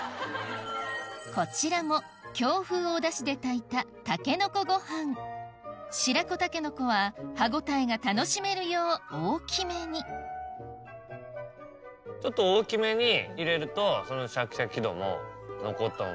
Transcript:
こちらも京風おだしで炊いた白子竹の子は歯応えが楽しめるよう大きめにちょっと大きめに入れるとシャキシャキ度も残ったまま。